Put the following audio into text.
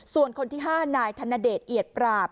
ส่วนคนที่๕นายธนเดชเอียดปราบ